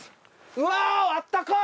わおあったかい！